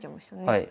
はい。